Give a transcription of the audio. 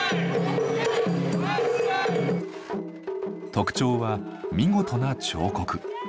特徴は見事な彫刻。